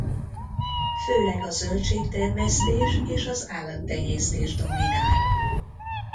Főleg a zöldségtermesztés és az állattenyésztés dominál.